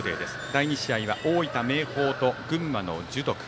第２試合は大分・明豊と群馬の樹徳。